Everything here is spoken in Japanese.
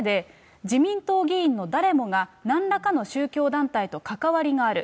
その上で、自民党議員の誰もが、なんらかの宗教団体と関わりがある。